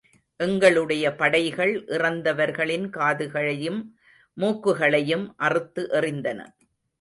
எங்களுடைய படைகள், இறந்தவர்களின் காதுகளையும், மூக்குகளையும் அறுத்து எறிந்தன.